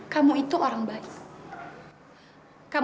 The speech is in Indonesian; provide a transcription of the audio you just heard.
kamu itu orang baik